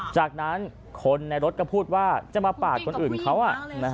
จากนั้นคนในรถก็พูดว่าจะมาปาดคนอื่นเขา